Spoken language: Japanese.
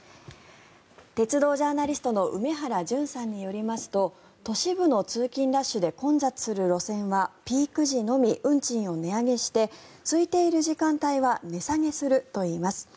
鉄道ジャーナリストの梅原淳さんによりますと都市部の通勤ラッシュで混雑する路線はピーク時のみ運賃を値上げしてすいている時間帯は値下げするといいます。